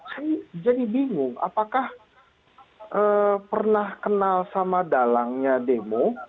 saya jadi bingung apakah pernah kenal sama dalangnya demo